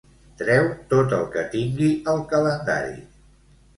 Treu tot el que tingui al calendari.